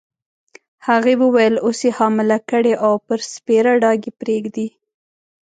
هغې وویل: اوس يې حامله کړې او پر سپېره ډاګ یې پرېږدې.